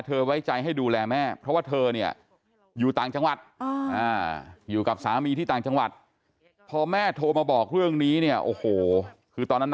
ขอมอบตัวตัวล่ะคือเหมือน